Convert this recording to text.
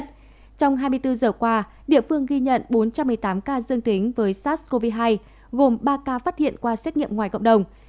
trong hai mươi bốn giờ qua địa phương ghi nhận bốn trăm một mươi tám ca dương tính với sars cov hai gồm ba ca phát hiện qua xét nghiệm ngoài cộng đồng